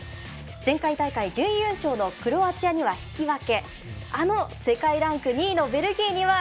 前回大会準優勝のクロアチアには引き分け。